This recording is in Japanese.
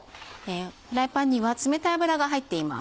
フライパンには冷たい油が入っています。